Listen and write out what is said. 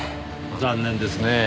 残念ですねぇ。